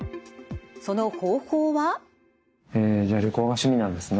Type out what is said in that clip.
その方法は？じゃあ旅行が趣味なんですね。